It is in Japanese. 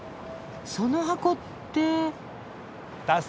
その箱って？